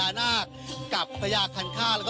มันอาจจะเป็นแก๊สธรรมชาติค่ะ